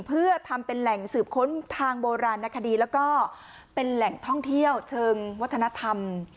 เพื่อทำเป็นแหล่งสืบค้นทางโบราณคดีแล้วก็เป็นแหล่งท่องเที่ยวเชิงวัฒนธรรม